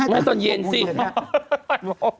หลังจากแปดเติ้ล๑๔๐๐นค่ะ